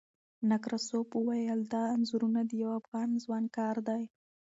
نکراسوف وویل، دا انځورونه د یوه افغان ځوان کار دی.